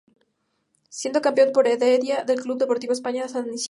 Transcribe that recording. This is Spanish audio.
Siendo campeón por Heredia el Club Deportivo España de San Isidro.